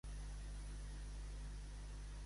Posar en plet.